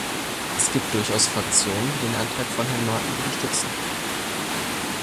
Es gibt durchaus Fraktionen, die den Antrag von Herrn Maaten unterstützen.